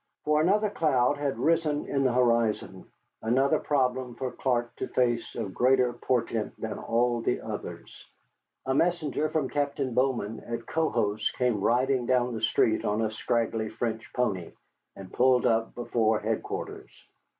For another cloud had risen in the horizon: another problem for Clark to face of greater portent than all the others. A messenger from Captain Bowman at Cohos came riding down the street on a scraggly French pony, and pulled up before headquarters.